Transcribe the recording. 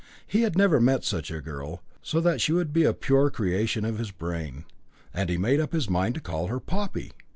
He had never met with such a girl, so that she would be a pure creation of his brain, and he made up his mind to call her Poppy.